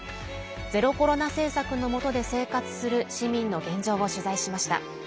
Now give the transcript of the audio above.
ゼロコロナ政策のもとで生活する市民の現状を取材しました。